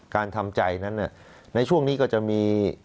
ทำใจนั้นในช่วงนี้ก็จะมี